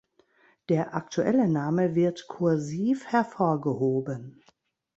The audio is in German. Der aktuelle Name wird kursiv hervorgehoben.